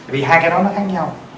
vì hai cái đó nó khác nhau